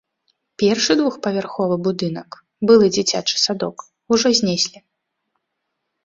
Першы двухпавярховы будынак, былы дзіцячы садок, ужо знеслі.